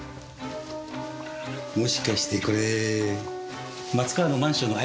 もしかしてこれ松川のマンションの合鍵？